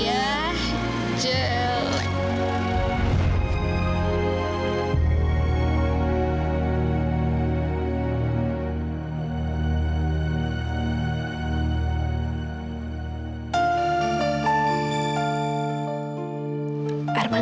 buku bers daeul